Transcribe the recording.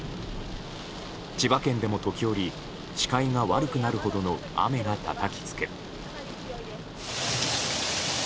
千葉県でも時折視界が悪くなるほどの雨がたたきつけ。